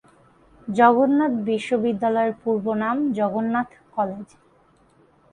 জগন্নাথ বিশ্ববিদ্যালয়ের পূর্বনাম জগন্নাথ কলেজ।